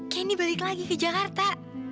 kini balik lagi ke jakarta